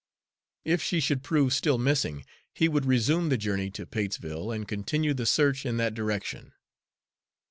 If she should prove still missing, he would resume the journey to Patesville and continue the search in that direction.